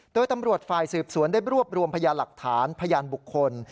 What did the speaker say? โดยตำรวจฝ่ายสืบสวนได้รวบรวมพยานหลักฐานพยานบุคคล